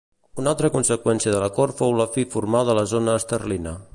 Una altra conseqüència de l'Acord fou la fi formal de la zona esterlina.